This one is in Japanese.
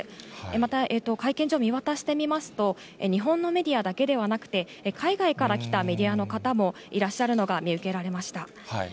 また、会見場を見渡してみますと、日本のメディアだけではなくて、海外から来たメディアの方もいらっしゃるのが見受けられました。